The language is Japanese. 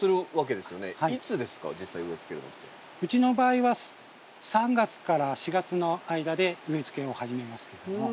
うちの場合は３月４月の間で植えつけを始めますけども。